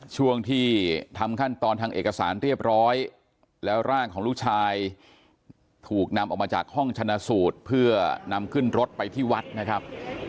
ช่วงที่ทำขั้นตอนทางเอกสารเรียบร้อยแล้วร่างของลูกชายถูกนำออกมาจากห้องชนะสูตรเพื่อนำขึ้นรถไปที่วัดนะครับ